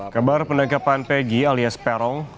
kabar penangkapan peggy alias perong